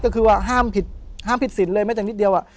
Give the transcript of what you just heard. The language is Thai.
ก็คือว่าห้ามผิดสินเลยแม้จากนิดเดียว